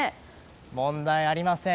問題ありません。